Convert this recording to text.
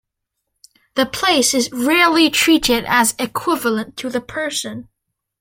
The place is rarely treated as equivalent to the person.